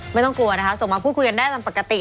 ไม่ต้องกลัวนะคะส่งมาพูดคุยกันได้ตามปกติ